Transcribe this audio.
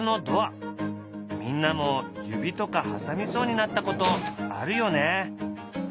みんなも指とか挟みそうになったことあるよね？